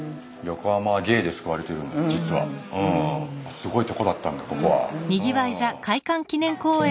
すごいとこだったんだここは。